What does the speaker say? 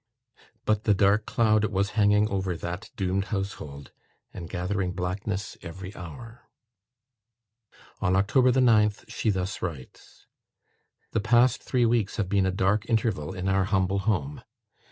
But the dark cloud was hanging over that doomed household, and gathering blackness every hour. On October the 9th, she thus writes: "The past three weeks have been a dark interval in our humble home.